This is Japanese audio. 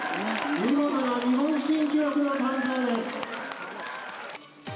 見事な日本新記録の誕生です。